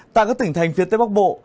tại các tỉnh thành phía tây bắc bộ